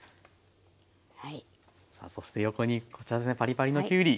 さあそして横にこちらですねパリパリのきゅうり。